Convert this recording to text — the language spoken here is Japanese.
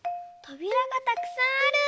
とびらがたくさんある。